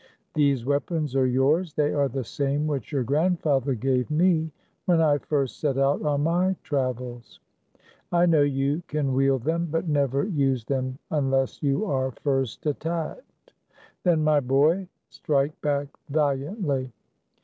These weapons are yours. They are the same which your grandfather u T gave me when I first on my travels. I can wield them ; but never use them unless you are first attacked. Then, my boy, strike back valiantly.